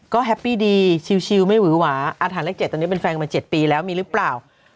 ก็แฮปปี้ดีชิลไม่หวือหวาอาถรรค๗ตอนนี้เป็นแฟนมา๗ปีแล้วมีหรือเปล่า